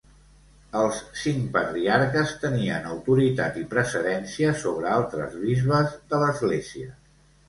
Els cinc patriarques tenien autoritat i precedència sobre altres bisbes de l'Església.